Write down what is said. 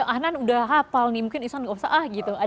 kan ya anand udah hafal nih mungkin ishan nggak usah ah gitu